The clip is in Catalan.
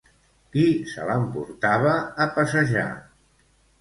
Qui se l'emportava a passejar?